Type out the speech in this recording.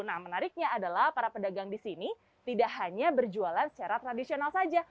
nah menariknya adalah para pedagang di sini tidak hanya berjualan secara tradisional saja